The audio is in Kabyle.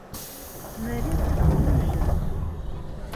Ma rriɣ-t; ad gmun leǧruḥ.